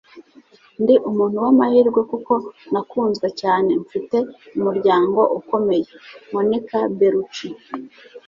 ndi umuntu w'amahirwe kuko nakunzwe cyane. mfite umuryango ukomeye. - monica bellucci